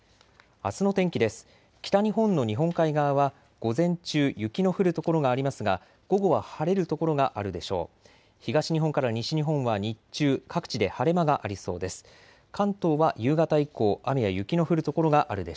あすの天気です。